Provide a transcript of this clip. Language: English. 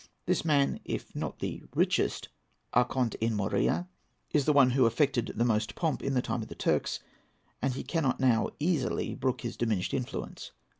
This man, if not the richest Archonte in the Morea, is the one who affected the most pomp in the time of the Turks, and he cannot now easily brook his diminished influence.